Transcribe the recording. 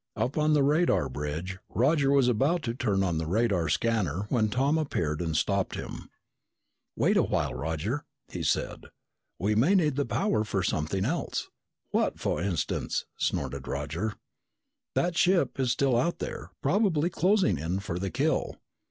Up on the radar bridge, Roger was about to turn on the radar scanner when Tom appeared and stopped him. "Wait a while, Roger," he said. "We may need the power for something else." "What, for instance?" snorted Roger. "That ship is still out there, probably closing in for the kill."